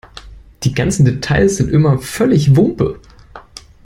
Die ganzen Details sind Ömer völlig wumpe.